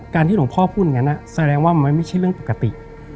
ที่หลวงพ่อพูดอย่างนั้นแสดงว่ามันไม่ใช่เรื่องปกติ